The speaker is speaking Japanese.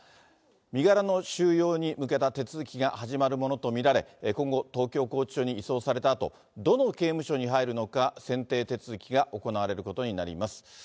身柄の収容に向けた手続きが始まるものと見られ、今後、東京拘置所に移送されたあと、どの刑務所に入るのか、選定手続きが行われることになります。